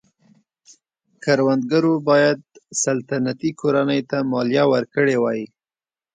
کروندګرو باید سلطنتي کورنۍ ته مالیه ورکړې وای.